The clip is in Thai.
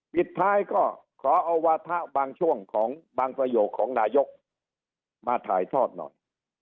ปิดท้ายก็ขอเอาวาถะบางช่วงของบางประโยคของนายกมาถ่ายทอดหน่อย